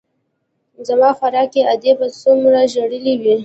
زما خواركۍ ادې به څومره ژړلي وي.